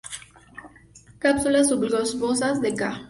Cápsulas subglobosas, de ca.